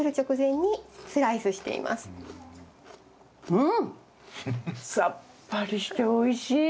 うん！さっぱりしておいしい。